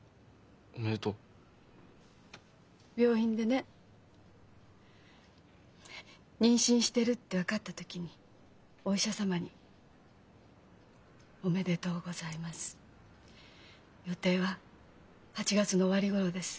病院でね妊娠してるって分かった時にお医者様に「おめでとうございます。予定は８月の終わり頃です。